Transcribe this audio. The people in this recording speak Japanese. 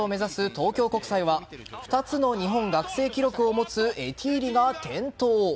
東京国際は２つの日本学生記録を持つエティーリが転倒。